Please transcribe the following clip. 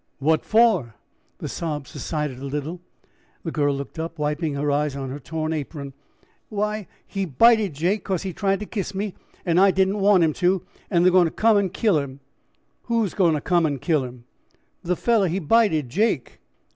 "What for?" The sobs subsided a little and the girl looked up, wiping her eyes on her torn apron. "Why, he bited Jake because he tried to kiss me and I didn't want him to and they are goin' to come and kill him." "Who is goin' to come and kill him?" "The feller he bited Jake."